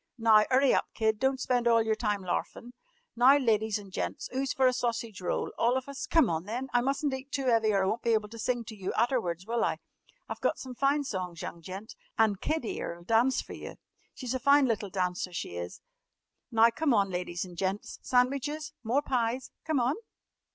Now, 'urry up, Kid. Don't spend all yer time larfin'. Now, ladies an' gents, 'oo's fer a sausage roll? All of us? Come on, then! I mustn't eat too 'eavy or I won't be able to sing to yer aterwards, will I? I've got some fine songs, young gent. And Kid 'ere 'll dance fer yer. She's a fine little dancer, she is! Now, come on, ladies an' gents, sandwiches? More pies? Come on!"